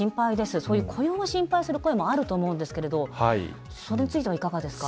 そういう雇用の心配する声もあると思うんですけれどそれについてはいかがですか？